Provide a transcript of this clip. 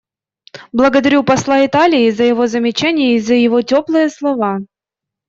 Благодарю посла Италии за его замечания и за его теплые слова.